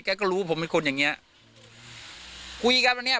แกก็รู้ผมเป็นคนเองยังเงี้ย